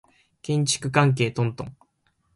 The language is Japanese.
建築関係トントン